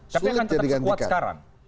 tapi akan tetap kuat sekarang